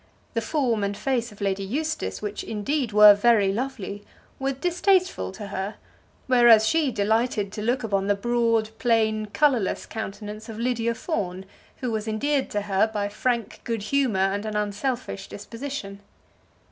The form and face of Lady Eustace, which indeed were very lovely, were distasteful to her; whereas she delighted to look upon the broad, plain, colourless countenance of Lydia Fawn, who was endeared to her by frank good humour and an unselfish disposition.